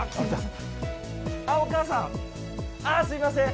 あっお母さんあっすいません。